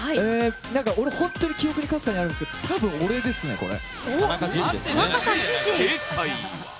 本当に記憶にかすかにあるんですけど多分、俺ですね、これ。